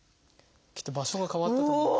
きっと場所が変わったと思います。